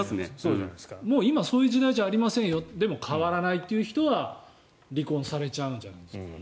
もう今はそういう時代じゃありませんよだけど変わらないという人は離婚されちゃうんじゃないんですか。